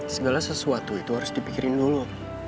segala sesuatu itu harus dipikirin dulu